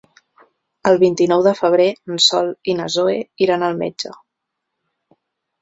El vint-i-nou de febrer en Sol i na Zoè iran al metge.